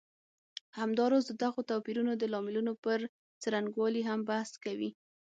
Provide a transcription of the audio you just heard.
همداراز د دغو توپیرونو د لاملونو پر څرنګوالي هم بحث کوي.